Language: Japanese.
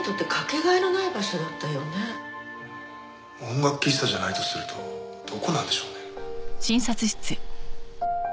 音楽喫茶じゃないとするとどこなんでしょうね？